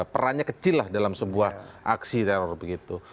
perannya kecil lah dalam sebuah aksi teror begitu